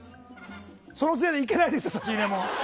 そのせいで行けないし差し入れも。